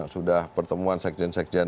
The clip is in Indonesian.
sudah pertemuan sekjen sekjen